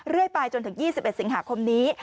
เรื่อยไปจนถึง๒๑สิงหาคมนี้